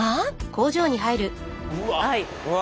うわ。